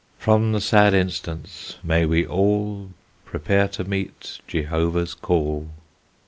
From the sad instance may we all Prepare to meet Jehovah's call.